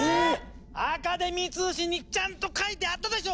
アカデミー通信にちゃんと書いてあったでしょ！